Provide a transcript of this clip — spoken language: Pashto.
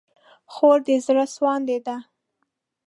خور د زړه سوانده ده.